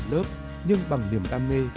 lớp nhưng bằng niềm đam mê